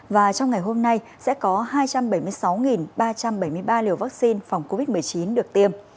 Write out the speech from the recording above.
và trong ngày hôm nay sẽ có hai trăm bảy mươi sáu ba trăm bảy mươi ba liều vaccine phòng covid một mươi chín được tiêm